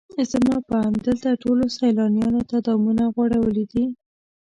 زما په اند دلته ټولو سیلانیانو ته دامونه غوړولي دي.